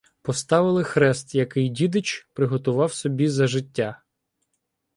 Поставили хрест, який дідич приготував собі за життя.